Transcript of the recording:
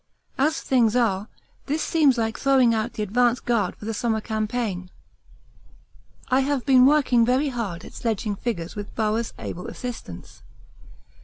As things are, this seems like throwing out the advance guard for the summer campaign. I have been working very hard at sledging figures with Bowers' able assistance.